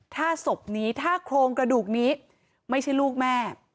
ถ้าศพนี้ถ้าโครงกระดูกนี้ไม่ใช่ลูกแม่